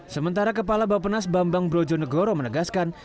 sementara kepala bapenas bambang brojo negoro menegaskan